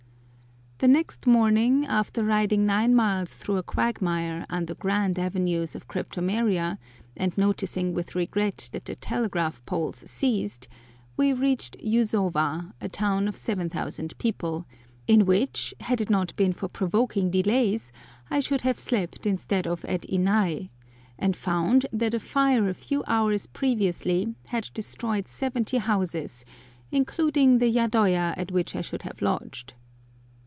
The next morning, after riding nine miles through a quagmire, under grand avenues of cryptomeria, and noticing with regret that the telegraph poles ceased, we reached Yusowa, a town of 7000 people, in which, had it not been for provoking delays, I should have slept instead of at Innai, and found that a fire a few hours previously had destroyed seventy houses, including the yadoya at which I should have lodged.